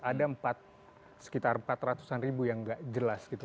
ada sekitar empat ratus yang tidak jelas